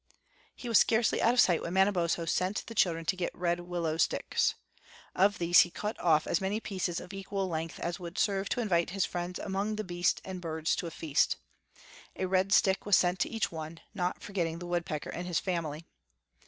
He was scarcely out of sight when Manabozho sent the children to get red willow sticks. Of these he cut off as many pieces of equal length as would serve to invite his friends among the beasts and birds to a feast. A red stick was sent to each one, not forgetting the woodpecker and his family.